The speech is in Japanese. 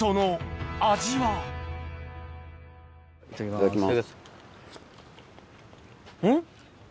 いただきます。